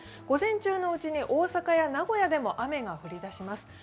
午前中のうちに大阪や名古屋でも雨が降りだします。